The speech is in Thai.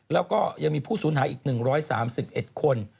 แล้วก็ยังมีผู้สูญหายอีก๑๓๑คน